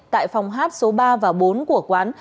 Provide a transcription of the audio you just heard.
tại phòng hát số ba và bốn của quán